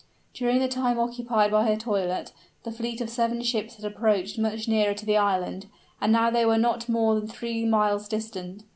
During the time occupied by her toilet, the fleet of seven ships had approached much nearer to the island, and now they were not more than three miles distant.